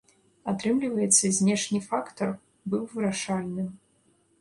Атрымліваецца, знешні фактар быў вырашальным.